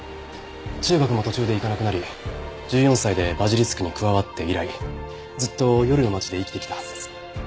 中学も途中で行かなくなり１４歳でバジリスクに加わって以来ずっと夜の街で生きてきたはずです。